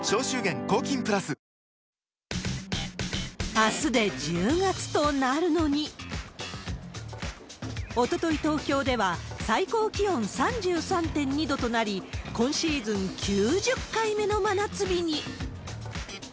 あすで１０月となるのに、おととい、東京では最高気温３３．２度となり、今シーズン９０回目の真夏日に。